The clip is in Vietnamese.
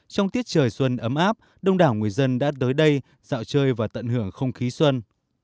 trong tiết trời xuân ấm áp đông đảo người dân đã tới đây dạo chơi và tận hưởng không khí xuân